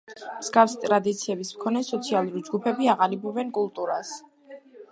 მსგავსი ტრადიციების მქონე სოციალური ჯგუფები აყალიბებენ კულტურას.